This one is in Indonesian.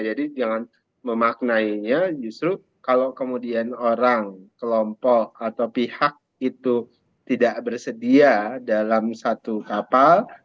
jadi jangan memaknainya justru kalau kemudian orang kelompok atau pihak itu tidak bersedia dalam satu kapal